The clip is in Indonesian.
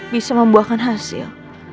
bisa membuahkan hasil